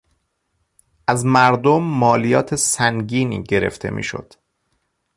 از مردم مالیات سنگینی گرفته میشد.